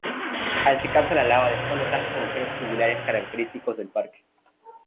Al secarse la lava dejó los grandes agujeros tubulares característicos del parque.